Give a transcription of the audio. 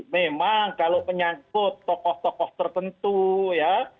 memang kalau menyangkut tokoh tokoh tertentu ya